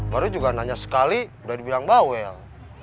baru juga nanya sekali udah dibilang mba wel